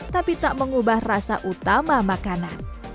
tapi tak mengubah rasa utama makanan